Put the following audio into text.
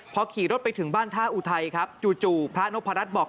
พอขี่รถไปถึงบ้านท่าอุทัยครับจู่พระนพรัชบอก